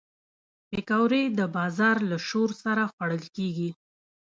پکورې د بازار له شور سره خوړل کېږي